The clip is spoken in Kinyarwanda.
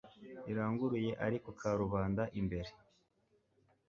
riranguruye ari ku karubanda imbere